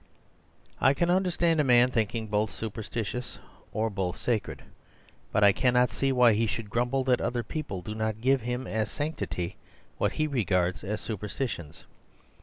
I can understand a man thinking both superstitious, or both sa cred ; but I cannot see why he should grumble that other people do not give him as sancti ties what he regards as superstitions.